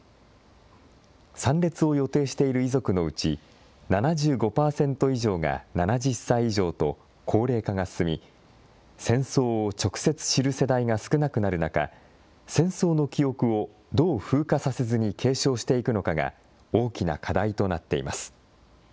参列を予定している遺族のうち、７５％以上が７０歳以上と高齢化が進み、戦争を直接知る世代が少なくなる中、戦争の記憶をどう風化させずに継承していくのかが、大きな課題となっています。